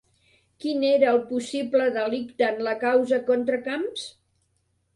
Quin era el possible delicte en la causa contra Camps?